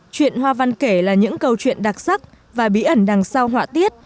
chuyện hoa văn kể là những câu chuyện đặc sắc và bí ẩn đằng sau họa tiết